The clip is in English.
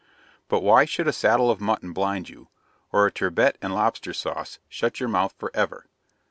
But why should a saddle of mutton blind you, or a turbot and lobster sauce shut your mouth for ever?